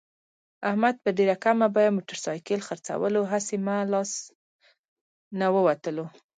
احمد په ډېره کمه بیه موټرسایکل خرڅولو، هسې مه له لاس نه ووتلو.